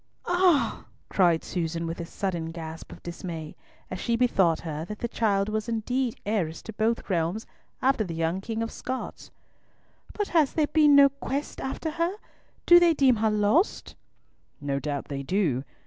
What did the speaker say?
"Ah!" cried Susan, with a sudden gasp of dismay, as she bethought her that the child was indeed heiress to both realms after the young King of Scots. "But has there been no quest after her? Do they deem her lost?" "No doubt they do.